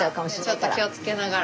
ちょっと気をつけながら。